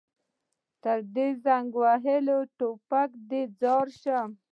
تر دې زنګ وهلي ټوپک دې ځار شم.